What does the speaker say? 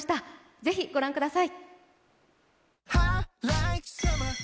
ぜひ御覧ください。